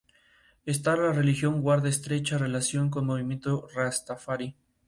Esta religión guarda estrecha relación con movimiento rastafari.